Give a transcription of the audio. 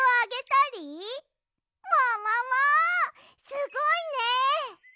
すごいね！